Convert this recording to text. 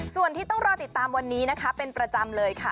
ส่วนที่ต้องรอติดตามวันนี้นะคะเป็นประจำเลยค่ะ